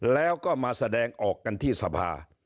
แล้วก็มาแสดงออกกันที่สภา